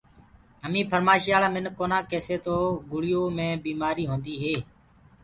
همينٚ ڦرمآشِيآݪآ منکِ ڪونآ ڪيسي تو گُݪيو مي بيٚمآريٚ هونٚديٚ هي